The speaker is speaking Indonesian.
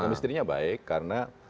kemistrinya baik karena